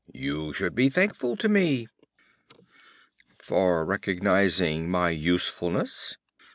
You should be thankful to me!' 'For recognizing my usefulness?'